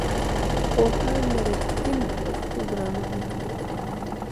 پوهاند رښتین پښتو ګرامر لیکلی دی.